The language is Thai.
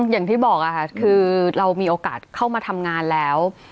อย่างที่บอกค่ะคือเรามีโอกาสเข้ามาทำงานแล้ว